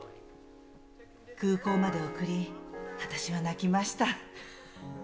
空港まで送り、私は泣きました。